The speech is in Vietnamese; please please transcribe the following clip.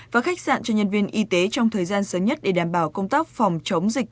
và khách sạn cho nhân viên y tế trong thời gian sớm nhất để đảm bảo công tác phòng chống dịch